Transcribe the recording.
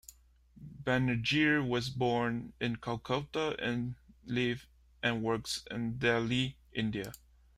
Banerjee was born in Calcutta and lives and works in Delhi, India.